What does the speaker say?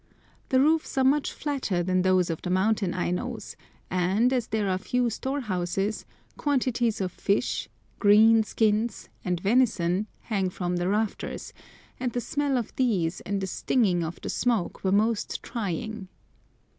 The roofs are much flatter than those of the mountain Ainos, and, as there are few store houses, quantities of fish, "green" skins, and venison, hang from the rafters, and the smell of these and the stinging of the smoke were most trying.